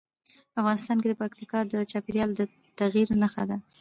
افغانستان کې پکتیا د چاپېریال د تغیر نښه ده.